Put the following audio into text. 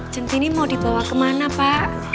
jentini mau dibawa kemana pak